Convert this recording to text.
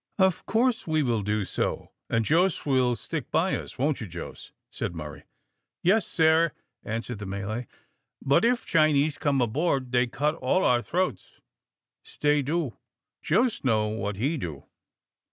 "Of course we will do so, and Jos will stick by us, won't you, Jos?" said Murray. "Yes, sare," answered the Malay; "but if Chinese come aboard, dey cut all our throats. Stay do Jos know what he do."